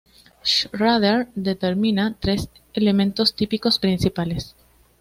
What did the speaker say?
Schrader determina tres elementos típicos principales.